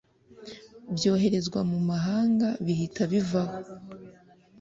byoherezwa mu mahanga bihita bivaho